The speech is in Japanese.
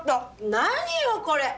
何よこれ！